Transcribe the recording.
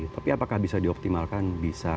tapi apakah bisa dioptimalkan bisa